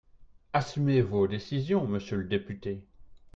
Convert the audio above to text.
Assumez vos décisions, monsieur le député.